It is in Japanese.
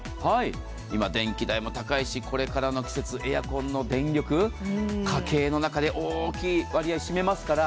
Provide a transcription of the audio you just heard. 今、電気代も高いし、これからの季節、エアコンの電力、家計の中で大きい割合占めますから。